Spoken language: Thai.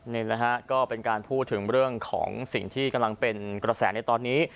นี่แหละฮะก็เป็นการพูดถึงเรื่องของสิ่งที่กำลังเป็นกระแสในตอนนี้